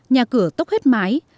nhà cửa tốc hết mái